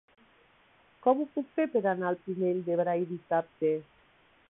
Com ho puc fer per anar al Pinell de Brai dissabte?